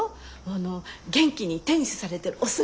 あの元気にテニスされてるお姿。